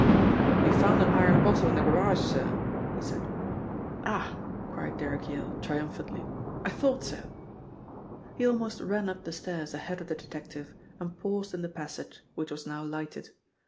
"We found an iron bottle in the garage, sir?" he said. "Ah!" cried Derrick Yale triumphantly. "I thought so!" He almost ran up the stairs ahead of the detective and paused in the passage, which was now lighted.